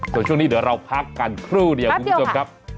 ตอนช่วงนี้เดี๋ยวเราพักกันครู่เดี๋ยวครับ